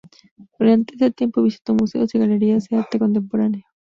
Durante ese tiempo visitó museos y galerías de arte contemporáneo.